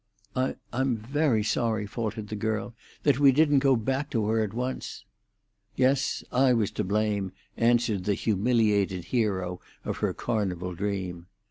"I'm—I'm very sorry," faltered the girl, "that we didn't go back to her at once." "Yes; I was to blame," answered the humiliated hero of her Carnival dream.